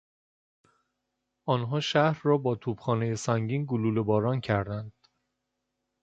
آنها شهر را با توپخانه سنگین گلوله باران کردند.